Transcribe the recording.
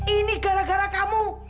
ini gara gara kamu